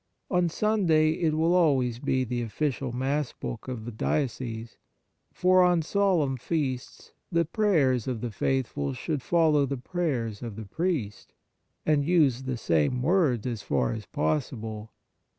On Sunday it will always be the official Mass book of the diocese ; for, on solemn feasts, the prayers of the faithful should follow the prayer of the priest, and use the same words as far as possible.